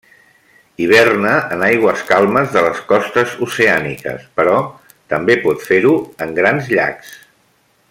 Hiverna en aigües calmes de les costes oceàniques, però també pot fer-ho en grans llacs.